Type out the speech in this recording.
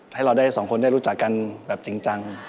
ให้เราได้สองคนได้รู้จักกันแบบจริงจัง